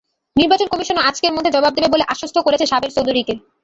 নির্বাচন কমিশনও আজকের মধ্যে জবাব দেবে বলে আশ্বস্ত করেছে সাবের চৌধুরীকে।